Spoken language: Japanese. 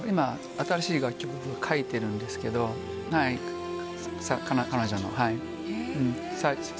今、新しい楽曲を書いているんですけど、彼女の。